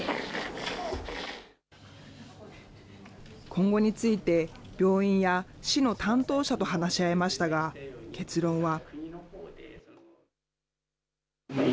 今後について、病院や市の担当者と話し合いましたが、結論は。